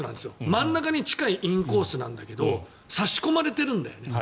真ん中に近いインコースなんだけど差し込まれてるんだよね。